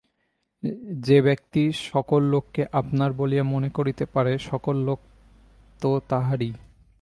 যে ব্যক্তি সকল লোককে আপনার বলিয়া মনে করিতে পারে সকল লোক তো তাহারই।